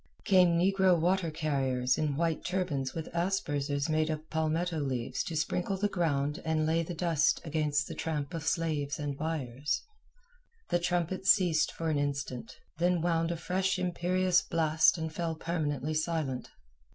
Came negro water carriers in white turbans with aspersers made of palmetto leaves to sprinkle the ground and lay the dust against the tramp of slaves and buyers. The trumpets ceased for an instant, then wound a fresh imperious blast and fell permanently silent.